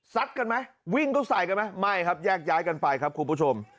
กันไหมวิ่งก็ใส่กันไหมไม่ครับแยกย้ายกันไปครับคุณผู้ชม